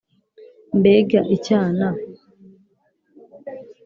mbega icyana